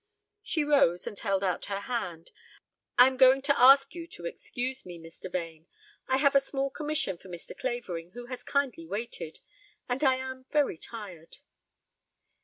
She rose and held out her hand. "I am going to ask you to excuse me, Mr. Vane. I have a small commission for Mr. Clavering, who has kindly waited. And I am very tired."